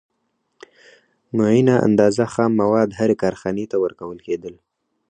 معینه اندازه خام مواد هرې کارخانې ته ورکول کېدل